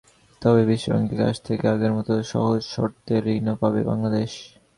তবে বিশ্বব্যাংকের কাছ থেকে আগের মতো সহজ শর্তের ঋণও পাবে বাংলাদেশ।